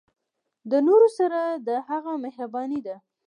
د نورو سره د هغه مهرباني ده.